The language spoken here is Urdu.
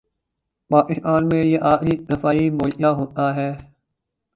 پاکستان میں یہ آخری دفاعی مورچہ ہوتا ہے۔